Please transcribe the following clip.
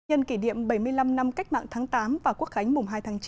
nhân kỷ niệm bảy mươi năm năm cách mạng tháng tám và quốc khánh mùng hai tháng chín